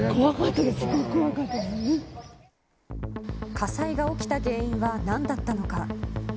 火災が起きた原因は何だったのか。